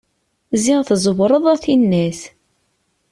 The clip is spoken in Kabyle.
Ziɣ tẓẓewreḍ a tinnat.